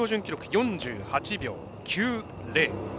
４８秒９０。